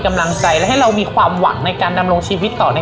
กำลังใจและให้เรามีความหวังในการดำรงชีวิตต่อใน